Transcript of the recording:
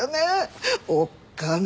おっかな。